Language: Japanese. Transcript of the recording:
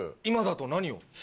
今だと何を？